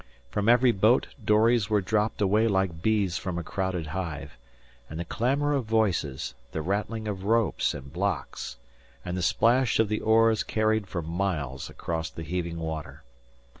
From every boat dories were dropping away like bees from a crowded hive, and the clamour of voices, the rattling of ropes and blocks, and the splash of the oars carried for miles across the heaving water.